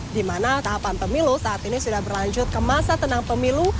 di mana tahapan pemilu saat ini sudah berlanjut ke masa tenang pemilu